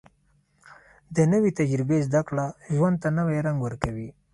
د نوې تجربې زده کړه ژوند ته نوې رنګ ورکوي